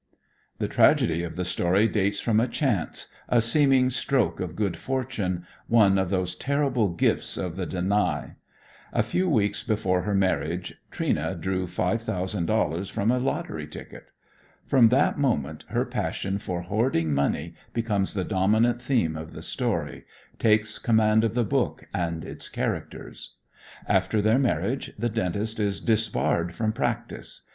The tragedy of the story dates from a chance, a seeming stroke of good fortune, one of those terrible gifts of the Danai. A few weeks before her marriage "Trina" drew $5 000 from a lottery ticket. From that moment her passion for hoarding money becomes the dominant theme of the story, takes command of the book and its characters. After their marriage the dentist is disbarred from practice.